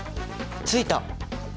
ついた！